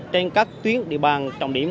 trên các tuyến địa bàn trọng điểm